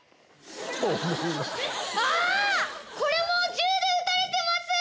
これも銃で撃たれてます。